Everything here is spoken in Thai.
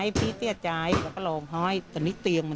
ก็ลองฮอยตอนนี้เตียงมันสั้นทุกขึ้นเตียงน่ามันไม่ใช่เตียงไหมน่ะ